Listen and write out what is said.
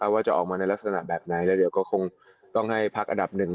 ว่าจะออกมาในลักษณะแบบไหนแล้วเดี๋ยวก็คงต้องให้พักอันดับหนึ่ง